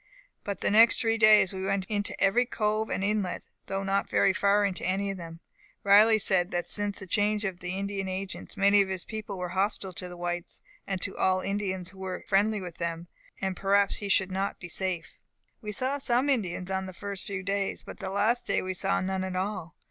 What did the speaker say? But the next three days we went into every cove and inlet, though not very far into any of them. Riley said that since the change of Indian Agents, many of his people were hostile to the whites, and to all Indians who were friendly with them, and that perhaps he should not be safe. "We saw some Indians on the first few days, but the last day we saw none at all.